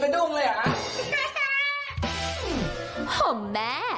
เพิ่งถึงกันกระดุ้งเลยเหรอ